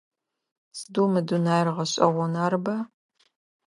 Сыдэу мы дунаир гъэшӏэгъон, арыба?